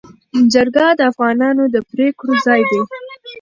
جرګه د افغانانو د پرېکړو ځای دی.